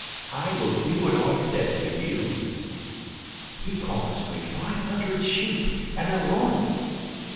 I will do what I said for you" ("he promised me five hundred sheep and a run").